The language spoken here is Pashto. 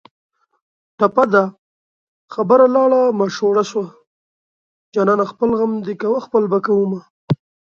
ټپه ده: خبره لاړه ماشوړه شوه جانانه خپل غم دې کوه خپل به کومه